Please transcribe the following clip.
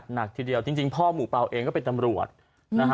หนักทีเดียวจริงพ่อหมู่เปล่าเองก็เป็นตำรวจนะฮะ